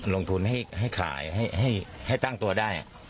ลงทุนให้ขายให้ตั้งตัวได้